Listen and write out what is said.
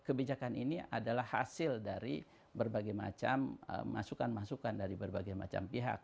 kebijakan ini adalah hasil dari berbagai macam masukan masukan dari berbagai macam pihak